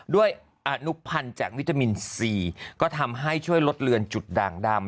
ด้วยอนุพันธ์จากวิตามินซีก็ทำให้ช่วยลดเลือนจุดด่างดำ